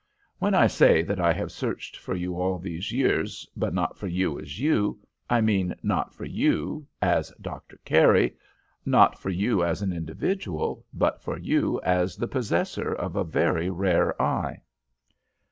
'When I say that I have searched for you all these years, but not for you as you, I mean not for you as Dr. Carey, not for you as an individual, but for you as the possessor of a very rare eye.'